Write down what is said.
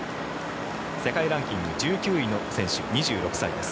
世界ランキング１９位の選手２６歳です。